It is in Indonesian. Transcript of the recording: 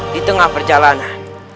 di tengah perjalanan